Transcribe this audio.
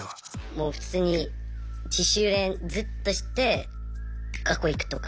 もう普通に自主練ずっとして学校行くとか。